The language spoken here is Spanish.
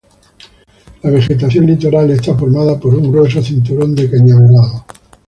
La vegetación litoral está formada por un grueso cinturón de cañaveral.